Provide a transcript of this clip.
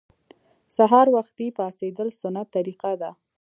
سهار وختي پاڅیدل سنت طریقه ده